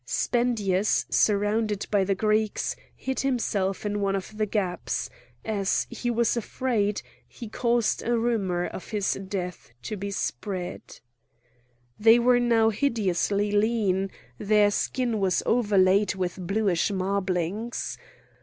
Spendius, surrounded by the Greeks, hid himself in one of the gaps; as he was afraid, he caused a rumour of his death to be spread. They were now hideously lean; their skin was overlaid with bluish marblings.